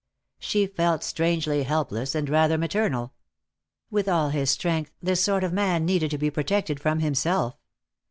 She felt strangely helpless and rather maternal. With all his strength this sort of man needed to be protected from himself.